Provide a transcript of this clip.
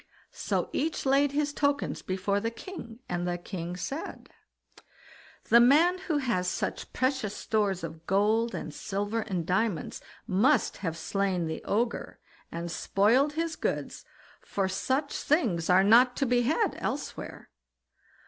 So each laid his tokens before the king, and the king said: "The man who has such precious stores of gold, and silver, and diamonds, must have slain the Ogre, and spoiled his goods, for such things are not to be had elsewhere."